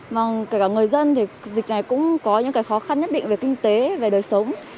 vâng kể cả người dân thì dịch này cũng có những cái khó khăn nhất định về kinh tế về đời sống